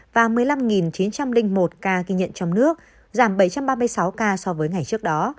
và một mươi năm chín trăm linh một ca ghi nhận trong nước giảm bảy trăm ba mươi sáu ca so với ngày trước đó